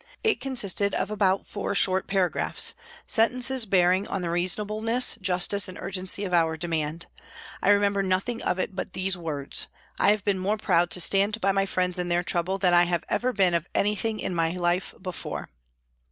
It consisted of about four short para graphs, sentences bearing on the reasonableness, justice and urgency of our demand. I remember nothing of it but these words : "I have been more proud to stand by my friends in their trouble than I have ever been of anything in my life before."